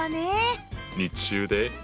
日中で。